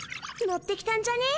ッてきたんじゃね？